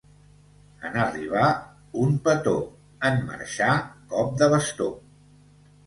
En arribar, un petó; en marxar, cop de bastó.